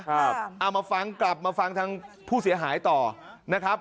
เอามาฟังกลับมาฟังทางผู้เสียหายต่อนะครับ